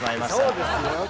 そうですよ。